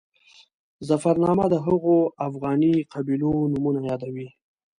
ظفرنامه د هغو افغاني قبیلو نومونه یادوي.